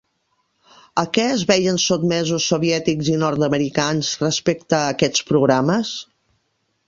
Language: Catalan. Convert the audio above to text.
A què es veien sotmesos soviètics i nord-americans respecte a aquests programes?